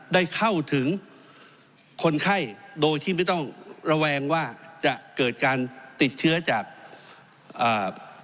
ได้เข้าถึงคนไข้โดยที่ไม่ต้องระแวงว่าจะเกิดการติดเชื้อจากอ่า